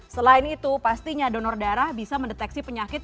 selain itu pastinya donor darah bisa mendeteksi penyakit